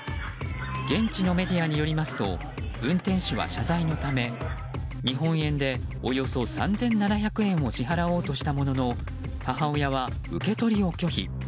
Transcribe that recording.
現地のメディアによりますと運転手は謝罪のため日本円でおよそ３７００円を支払おうとしたものの母親は、受け取りを拒否。